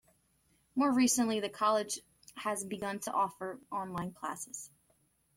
More recently the college has begun to offer online classes.